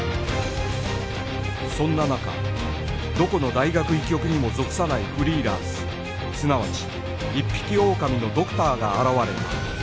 そんな中どこの大学医局にも属さないフリーランスすなわち一匹狼のドクターが現われた